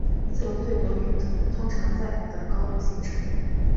自由对流云通常在的高度形成。